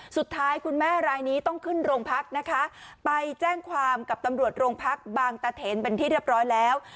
สุดท้ายคุณแม่รายนี้ต้องขึ้นโรงพักนะคะไปแจ้งความกับตำรวจโรงพักบางตะเถนเป็นที่เรียบร้อยแล้ว